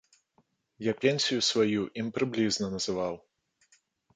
Я пенсію сваю ім прыблізна называў.